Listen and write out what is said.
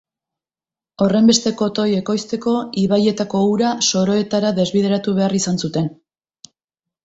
Horrenbeste kotoi ekoizteko ibaietako ura soroetara desbideratu behar izan zuten.